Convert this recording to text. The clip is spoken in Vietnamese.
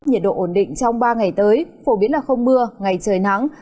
nhiệt độ ổn định trong ba ngày tới phổ biến là không mưa ngày trời nắng